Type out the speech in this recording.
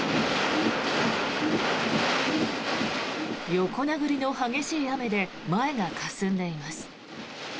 横殴りの激しい雨で前がかすんでいます。